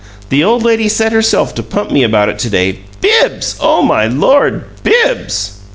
The old lady set herself to pump me about it to day. BIBBS! Oh, my Lord! BIBBS!"